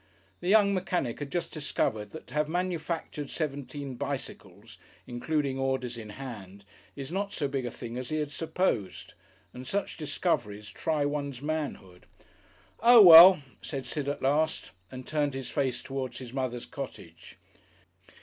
The young mechanic had just discovered that to have manufactured seventeen bicycles, including orders in hand, is not so big a thing as he had supposed, and such discoveries try one's manhood.... "Oh well!" said Sid at last, and turned his face towards his mother's cottage.